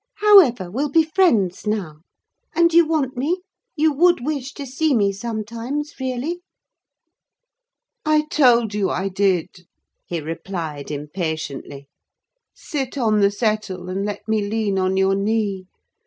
"However, we'll be friends now. And you want me: you would wish to see me sometimes, really?" "I told you I did," he replied impatiently. "Sit on the settle and let me lean on your knee.